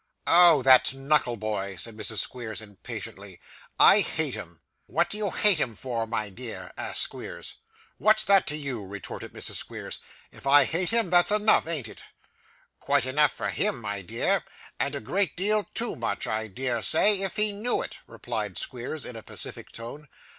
'Oh! that Knuckleboy,' said Mrs. Squeers impatiently. 'I hate him.' 'What do you hate him for, my dear?' asked Squeers. 'What's that to you?' retorted Mrs. Squeers. 'If I hate him, that's enough, ain't it?' 'Quite enough for him, my dear, and a great deal too much I dare say, if he knew it,' replied Squeers in a pacific tone.